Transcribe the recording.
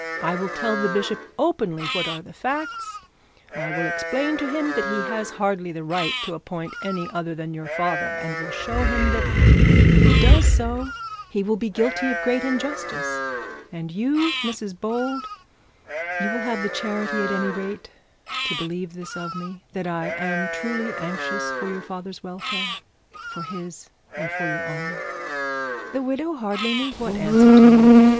I will tell the bishop openly what are the facts. I will explain to him that he has hardly the right to appoint any other than your father, and will show him that if he does so he will be guilty of great injustice and you, Mrs Bold, you will have the charity at any rate to believe this of me, that I am truly anxious for your father's welfare, for his and for your own.' The widow hardly knew what answer to make.